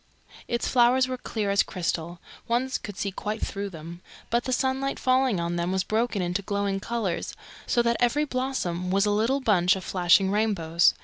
Its flowers were clear as crystal one could see quite through them but the sunlight falling on them was broken into glowing colours, so that every blossom was a little bunch of flashing rainbows.